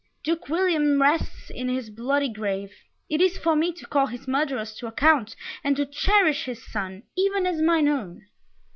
Duke William rests in his bloody grave! It is for me to call his murderers to account, and to cherish his son, even as mine own!"